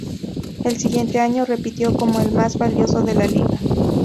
El siguiente año repitió como el más valioso de la liga.